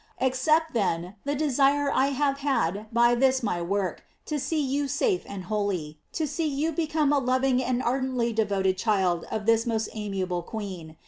Ac cept, then, the desire I have had by this my work, to see you safe and holy, to see you be come a loving and ardently devoted child of thia most amiable queen.